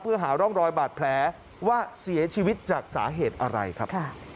เพื่อหาร่องรอยบาดแผลว่าเสียชีวิตจากสาเหตุอะไรครับ